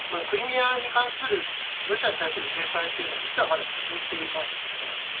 クリミアに関するロシアに対する制裁というのは実はまだ続いていますので。